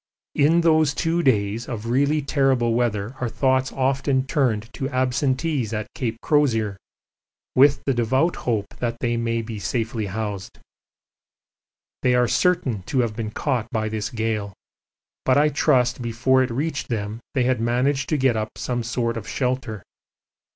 In those two days of really terrible weather our thoughts often turned to absentees at Cape Crozier with the devout hope that they may be safely housed. They are certain to have been caught by this gale, but I trust before it reached them they had managed to get up some sort of shelter.